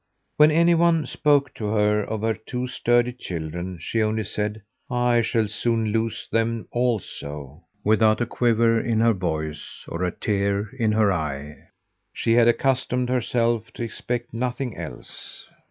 When any one spoke to her of her two sturdy children, she only said: "I shall soon lose them also," without a quaver in her voice or a tear in her eye. She had accustomed herself to expect nothing else.